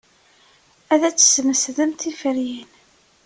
Ad tesmesdemt tiferyin.